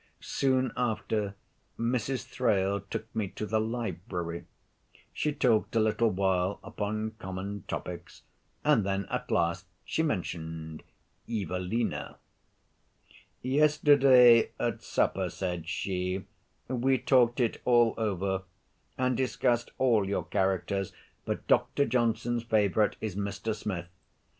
Soon after, Mrs. Thrale took me to the library; she talked a little while upon common topics, and then at last she mentioned 'Evelina.' "Yesterday at supper," said she, "we talked it all over, and discussed all your characters; but Dr. Johnson's favorite is Mr. Smith.